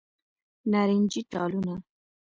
نارنجې ټالونه